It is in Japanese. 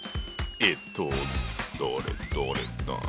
えっとどれどれ。